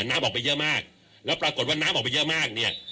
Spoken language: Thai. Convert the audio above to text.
น้ำออกไปเยอะมากแล้วปรากฏว่าน้ำออกไปเยอะมากเนี่ย